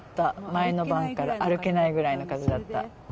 前の晩から、歩けないぐらいの風だった。